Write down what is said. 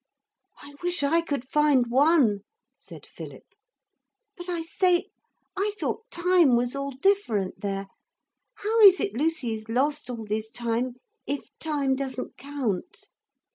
'I wish I could find one,' said Philip; 'but, I say, I thought time was all different there. How is it Lucy is lost all this time if time doesn't count?'